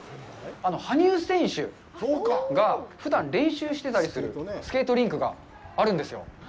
あの羽生選手がふだん練習してたりするスケートリンクがあるんですよ。